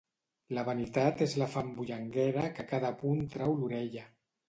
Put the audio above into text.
La vanitat és la fam bullanguera que a cada punt trau l'orella.